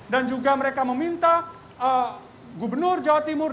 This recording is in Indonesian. dan juga mereka meminta gubernur jawa timur